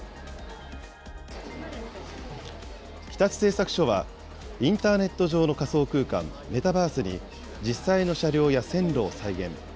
日立製作所は、インターネット上の仮想空間、メタバースに実際の車両や線路を再現。